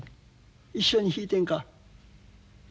一緒に弾いてんか。